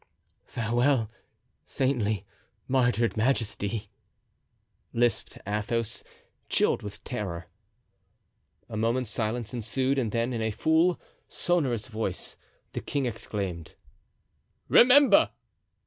"Farewell, saintly, martyred majesty," lisped Athos, chilled with terror. A moment's silence ensued and then, in a full, sonorous voice, the king exclaimed: "Remember!"